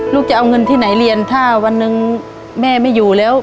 จะเอาเงินที่ไหนเรียนถ้าวันหนึ่งแม่ไม่อยู่แล้ว